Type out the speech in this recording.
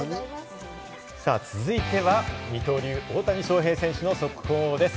さぁ続いては二刀流・大谷翔平選手の速報です。